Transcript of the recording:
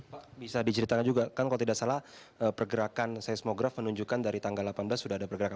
pak bisa diceritakan juga kan kalau tidak salah pergerakan seismograf menunjukkan dari tanggal delapan belas sudah ada pergerakan